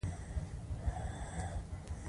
ګواتیلايي واکمنان د قهوې کښت ته علاقمند شول.